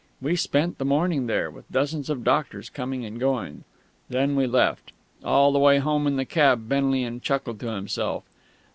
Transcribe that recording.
We spent the morning there, with dozens of doctors coming and going. Then we left. All the way home in the cab Benlian chuckled to himself.